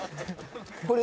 これ。